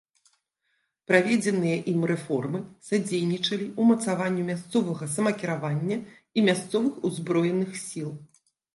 Праведзеныя ім рэформы садзейнічалі ўмацаванню мясцовага самакіравання і мясцовых узброеных сіл.